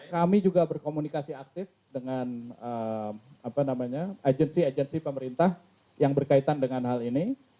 kami juga berkomunikasi aktif dengan agensi agensi pemerintah yang berkaitan dengan hal ini